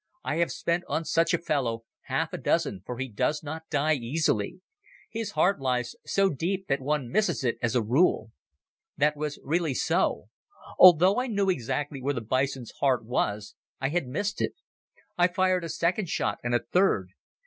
I have spent on such a fellow half a dozen for he does not die easily. His heart lies so deep that one misses it as a rule." That was really so. Although I knew exactly where the bison's heart was I had missed it. I fired a second shot and a third.